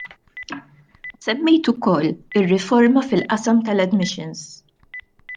Semmejt ukoll ir-riforma fil-qasam tal-admissions.